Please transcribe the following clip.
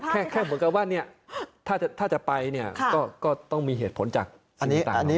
แค่เหมือนกันว่าถ้าจะไปก็ต้องมีเหตุผลจากสิ่งต่างอันนี้